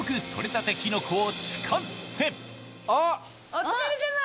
お疲れさま！